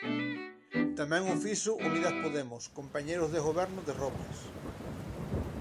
Tamén o fixo Unidas Podemos, compañeiros de Goberno de Robles.